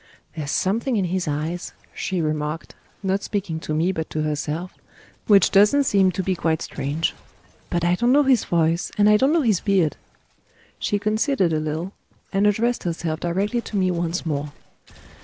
"There's something in his eyes," she remarked, not speaking to me but to herself, "which doesn't seem to be quite strange. But I don't know his voice, and I don't know his beard." She considered a little, and addressed herself directly to me once more.